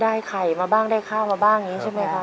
ได้ไข่มาบ้างได้ข้าวมาบ้างอย่างนี้ใช่ไหมครับ